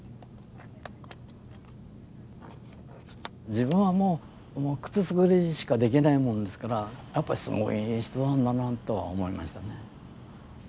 自分はもう靴作りしかできないもんですからやっぱりすごい人なんだなとは思いましたね。